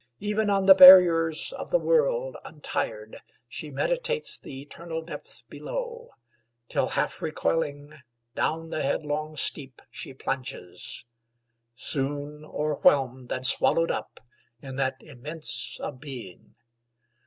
Even on the barriers of the world, untired She meditates the eternal depth below; Till half recoiling, down the headlong steep She plunges; soon o'erwhelmed and swallowed up In that immense of being.